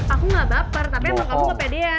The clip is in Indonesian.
aku ga baper tapi emang kamu kepedean